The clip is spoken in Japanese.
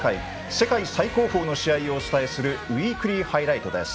世界最高峰の試合をお伝えする「ウイークリーハイライト」です。